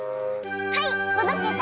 はいほどけた！